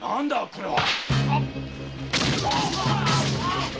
これは？